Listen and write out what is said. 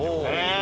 え！